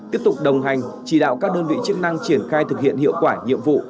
tiếp tục đồng hành chỉ đạo các đơn vị chức năng triển khai thực hiện hiệu quả nhiệm vụ